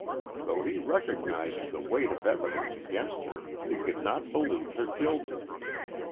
Though he recognized the weight of evidence against her, he could not believe her guilty.